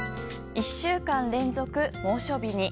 １週間連続、猛暑日に。